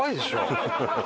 ハハハハ！